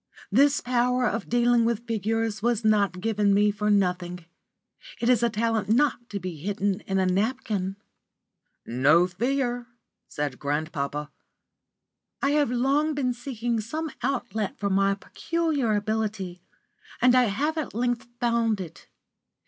This power of dealing with figures was not given me for nothing. It is a talent not to be hidden in a napkin." "No fear," said grandpapa. "I have long been seeking some outlet for my peculiar ability, and I have at length found it.